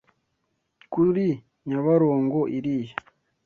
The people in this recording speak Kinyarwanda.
Kuri nyabarongo iriya